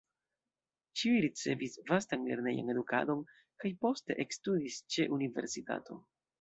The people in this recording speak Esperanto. Ĉiuj ricevis vastan lernejan edukadon kaj poste ekstudis ĉe universitato.